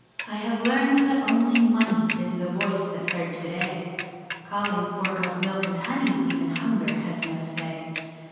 I have learned that only Money Is the voice that's heard today, Calling for God's milk and honey, Even Hunger has no say.